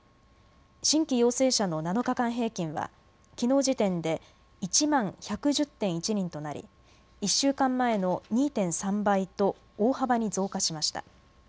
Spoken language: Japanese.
新規陽性者の７日間平均はきのう時点で１万１１０．１人となり１週間前の２．３倍と大幅に増加しました。